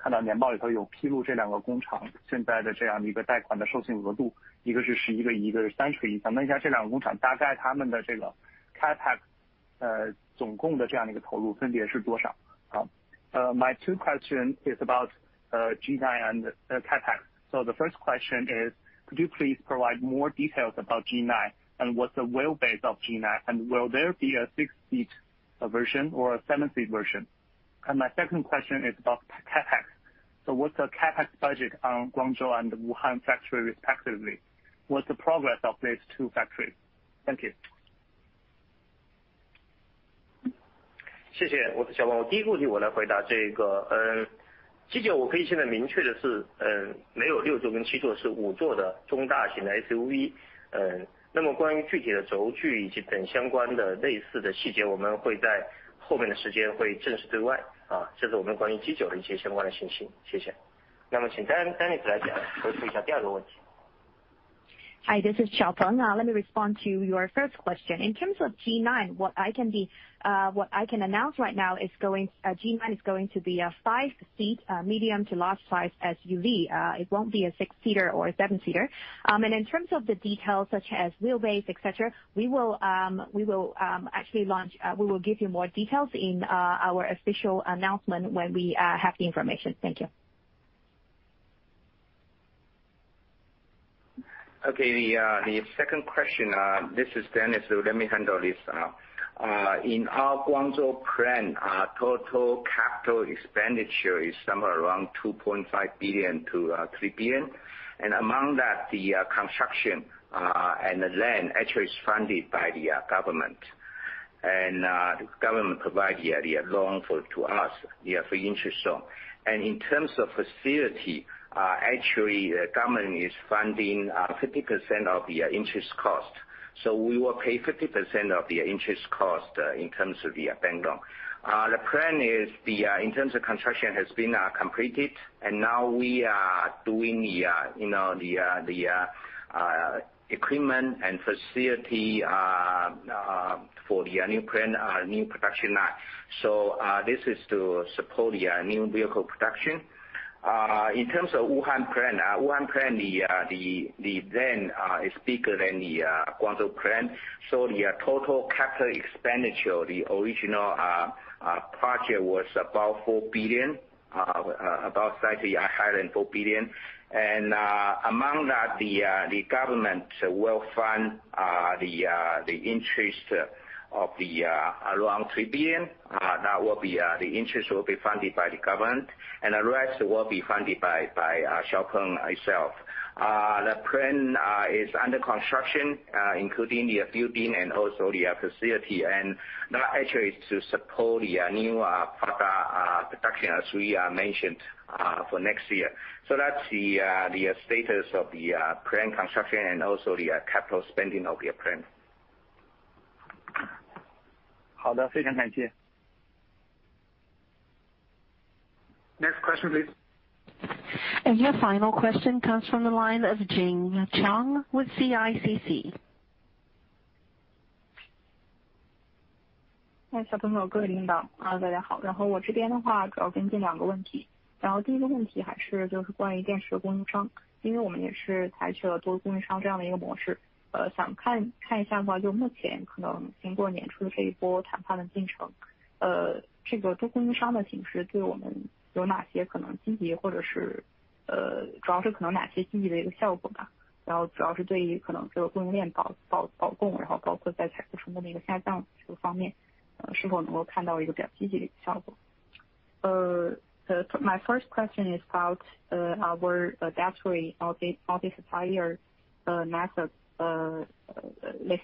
My two questions are about G9 and CapEx. The first question is: could you please provide more details about G9, and what's the wheelbase of G9? Will there be a six seat version or a seven seat version? My second question is about CapEx. What's the CapEx budget on Guangzhou and Wuhan factory respectively? What's the progress of these two factories? Thank you. 谢谢。我是小鹏。第一个问题我来回答这个，其实我可以现在明确的是，没有六座跟七座，是五座的中大型的SUV。那么关于具体的轴距以及等相关的类似的细节，我们会在后面的时间会正式对外。这是我们关于G9的一些相关的信息，谢谢。那么请Dennis来讲，回复一下第二个问题。Hi, this is Xiaopeng. Let me respond to your first question. In terms of G9, what I can announce right now is G9 is going to be a five-seat, medium to large size SUV, it won't be a six-seater or seven-seater. In terms of the details such as wheelbase, et cetera, we will give you more details in our official announcement when we have the information. Thank you. Okay, the second question, this is Dennis, let me handle this. In our Guangzhou plant, total capital expenditure is somewhere around 2.5 billion-3 billion, and among that the construction and the land actually is funded by the government. The government provide the loan for to us, yeah, free interest. In terms of facility, actually the government is funding 50% of the interest cost, so we will pay 50% of the interest cost in terms of the bank loan. The plan is in terms of construction has been completed, and now we are doing you know the equipment and facility for the new plan, new production line. This is to support the new vehicle production. In terms of Wuhan plant, Wuhan plant the land is bigger than the Guangzhou plant, so the total capital expenditure, the original project was about 4 billion, about slightly higher than 4 billion. Among that the government will fund the interest of the around 3 billion, that will be the interest will be funded by the government, and the rest will be funded by XPeng itself. The plan is under construction, including the building and also the facility, and that actually to support the new product production as we mentioned for next year. That's the status of the current construction and also the capital spending of the plan. Next question please. Your final question comes from the line of Jing Chang with CICC. 小鹏的各位领导，大家好，我这边的话主要跟进两个问题。第一个问题还是关于电池的供应商，因为我们也是采取了多供应商这样的一个模式，想看一下的话，就目前可能经过年初的这一波谈判的进程，这个多供应商的形式对我们有哪些可能积极的，主要是可能哪些积极的一个效果呢？主要是对于可能这个供应链保供，包括在采购成本的一个下降这个方面，是否能够看到一个比较积极的效果。My first question is about our battery supplier method this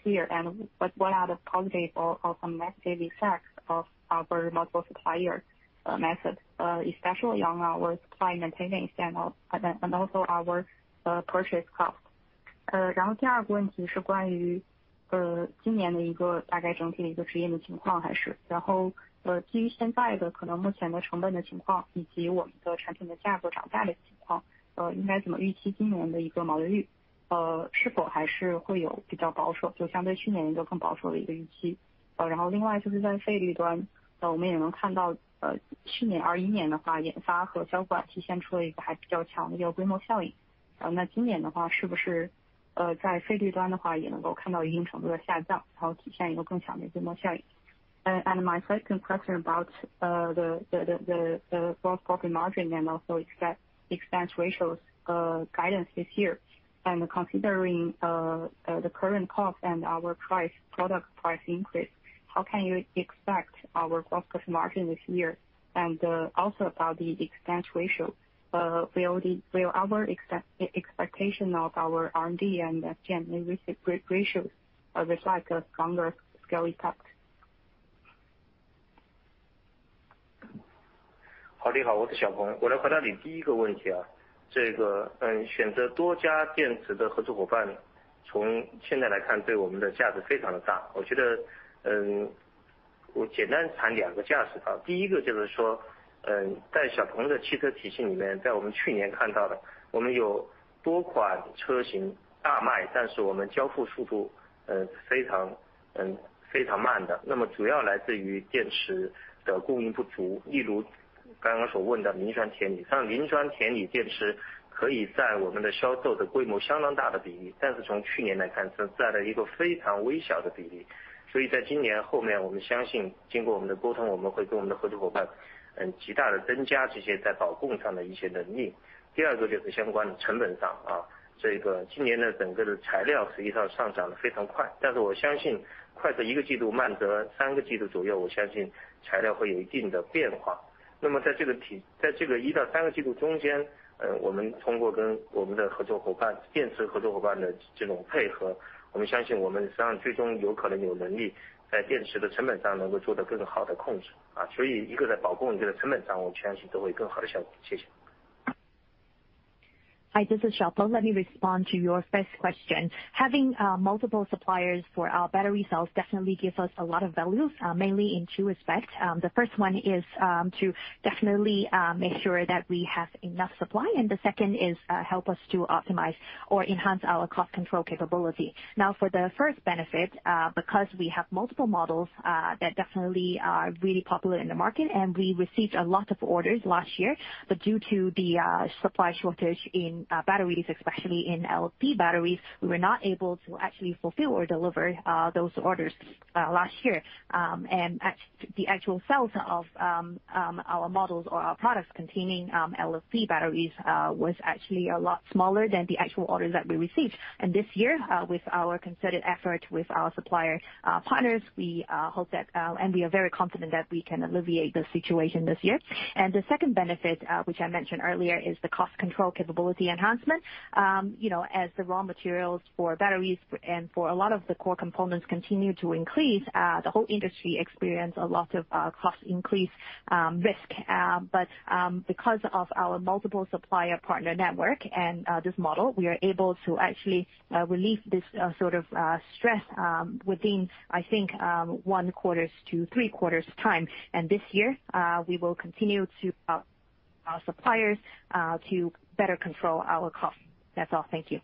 year, and what are the positive or some negative effects of our multiple supplier methods, especially on our supply and maintenance and also our purchase cost. 然后第二个问题是关于今年的大概整体的一个执行的情况，基于现在的可能目前的成本的情况，以及我们的产品的价格涨价的情况，应该怎么预期今年的一个毛利率，是否还是会有比较保守，就相对去年一个更保守的一个预期。然后另外就是在费率端，我们也能看到，去年2021年的话，研发和销管体现出了一个还比较强的一个规模效应，那今年的话是不是在费率端的话也能够看到一定程度的下降，然后体现一个更强的规模效应。My second question is about the gross profit margin and also expense ratios guidance this year. Considering the current cost and our product price increase, how can you expect our gross profit margin this year? Also about the expense ratio, will our expectation of our R&D and ratios reflect a stronger scale effect? Hi, this is Dennis Lu. Let me respond to your first question. Having multiple suppliers for our battery cells definitely gives us a lot of values, mainly in two respects. The first one is to definitely make sure that we have enough supply, and the second is help us to optimize or enhance our cost control capability. Now, for the first benefit, because we have multiple models that definitely are really popular in the market, and we received a lot of orders last year. Due to the supply shortage in batteries, especially in LFP batteries, we were not able to actually fulfill or deliver those orders last year. The actual sales of our models or our products containing LFP batteries was actually a lot smaller than the actual orders that we received. This year, with our concerted effort with our supplier partners, we hope that and we are very confident that we can alleviate the situation this year. The second benefit, which I mentioned earlier, is the cost control capability enhancement. You know, as the raw materials for batteries and for a lot of the core components continue to increase, the whole industry experience a lot of cost increase risk. But because of our multiple supplier partner network and this model, we are able to actually relieve this sort of stress within, I think, one quarters to three quarters time. This year, we will continue to help our suppliers to better control our costs. That's all. Thank you.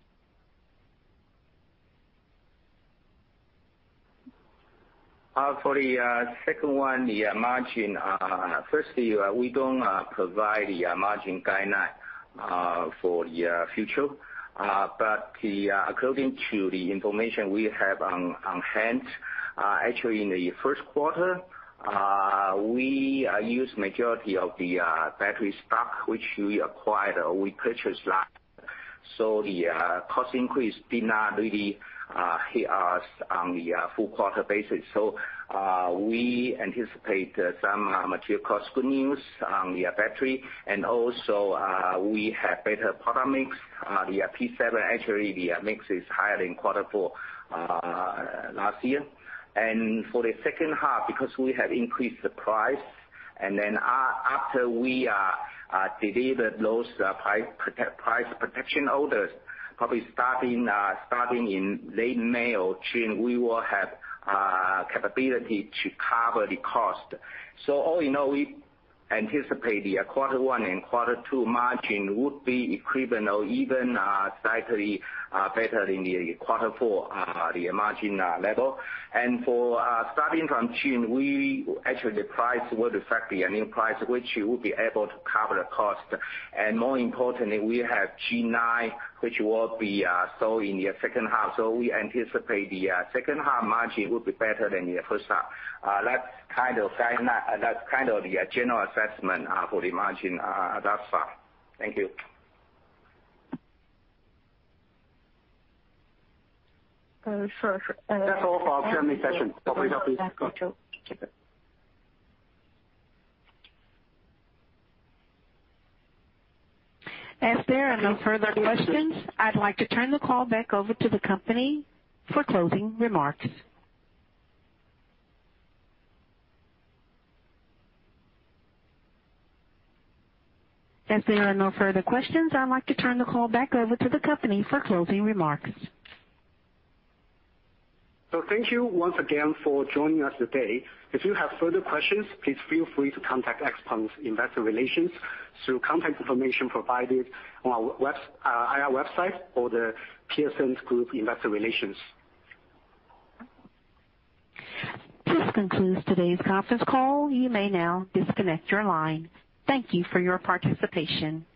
For the second one, the margin. Firstly, we don't provide the margin guideline for the future. According to the information we have on hand, actually in the first quarter, we use majority of the battery stock which we acquired or we purchased last. The cost increase did not really hit us on the full quarter basis. We anticipate some material cost good news on the battery. And also, we have better product mix. The P7, actually, the mix is higher in quarter four last year. For the second half, because we have increased the price, and then after we deliver those price protection orders, probably starting in late May or June, we will have capability to cover the cost. All in all, we anticipate the quarter one and quarter two margin would be equivalent or even slightly better than the quarter four margin level. For starting from June, we actually the price would reflect the new price which we will be able to cover the cost. More importantly, we have G9, which will be sold in the second half. We anticipate the second half margin will be better than the first half. That's kind of the general assessment for the margin thus far. Thank you. Sure. That's all for our Q&A session. Operator. As there are no further questions, I'd like to turn the call back over to the company for closing remarks. Thank you once again for joining us today. If you have further questions, please feel free to contact XPeng's investor relations through contact information provided on our IR website or The Piacente Group Investor Relations. This concludes today's conference call. You may now disconnect your line. Thank you for your participation.